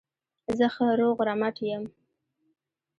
زه ښه روغ رمټ یم.